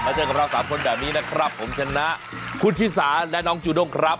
เจอกับเราสามคนแบบนี้นะครับผมชนะคุณชิสาและน้องจูด้งครับ